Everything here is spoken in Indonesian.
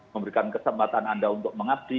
memberikan kesempatan anda untuk mengabdi